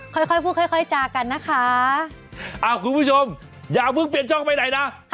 ค่อยพูดค่อยจ้ากันนะคะเอ้าคุณผู้ชมอย่าเพิ่งเปลี่ยนช่องไปใดนะ